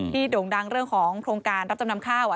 โด่งดังเรื่องของโครงการรับจำนำข้าว